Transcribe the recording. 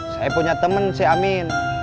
saya punya teman si amin